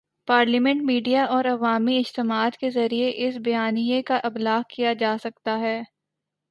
Parliament, media اور عوامی اجتماعات کے ذریعے اس بیانیے کا ابلاغ کیا جا سکتا ہے۔